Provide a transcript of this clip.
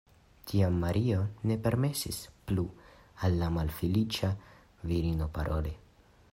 Tiam Mario ne permesis plu al la malfeliĉa virino paroli.